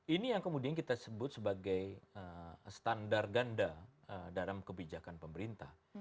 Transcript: ini yang kemudian kita sebut sebagai standar ganda dalam kebijakan pemerintah